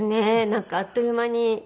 なんかあっという間に。